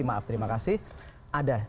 maaf terima kasih ada